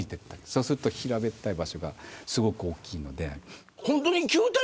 そうすると平べったい場所がすごく大きいので。